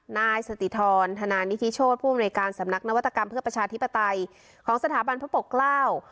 นายสติธรธนานิธิโชธผู้อำนวยการสำนักนวัตกรรมเพื่อประชาธิปไตยของสถาบันพระปกเกล้า